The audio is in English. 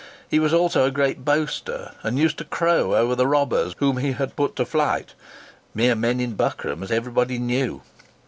He was also a great boaster, and used to crow over the robbers whom he had put to flight; mere men in buckram, as everybody knew.